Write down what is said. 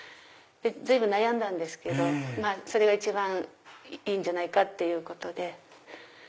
随分悩んだんですけどそれが一番いいんじゃないかっていうことで。